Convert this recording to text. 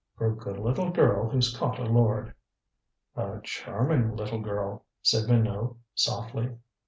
"For a good little girl who's caught a lord." "A charming little girl," said Minot softly.